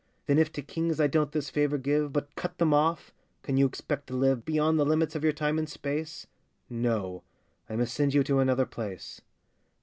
Then if to kings I don't this favour give, But cut them off, can you expect to live Beyond the limits of your time and space! No! I must send you to another place.